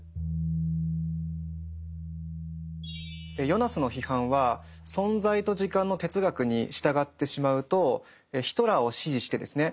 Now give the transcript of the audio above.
ヨナスの批判は「存在と時間」の哲学に従ってしまうとヒトラーを支持してですね